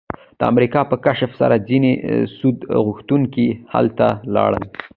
د امریکا په کشف سره ځینې سود غوښتونکي هلته لاړل